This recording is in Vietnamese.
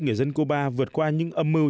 người dân cuba vượt qua những âm mưu